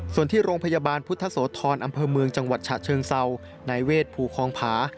ส่วนที่โรงพยาบาลพุทธโสธรอำเภอเมืองจังหวัดฉะเชิงเซานายเวทภูคองผา